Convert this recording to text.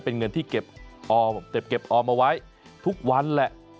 เป็นเงินที่เก็บออมเอาไว้ทุกวันแหละ